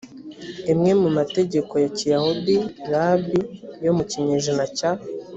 imwe mu mategeko ya kiyahudi rabi yo mu kinyejana cya